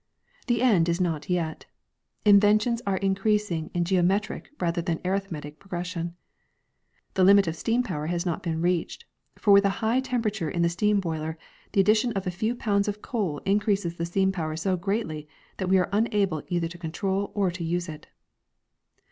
The end is not yet. Inventions are increasing in a geometric rather than an arithmetric progression. The limit of steam power has not been reached, for with a high temperature in the steam boiler the addition of a few pounds of coal increases the steam power so greatly that we are unable either to control or to use it.